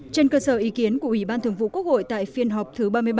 trên cơ sở ý kiến của ủy ban thường vụ quốc hội tại phiên họp thứ ba mươi ba